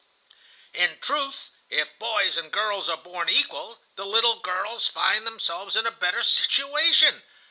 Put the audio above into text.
"In truth, if boys and girls are born equal, the little girls find themselves in a better situation.